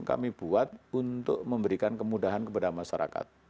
kami buat untuk memberikan kemudahan kepada masyarakat